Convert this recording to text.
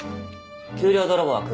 給料泥棒は首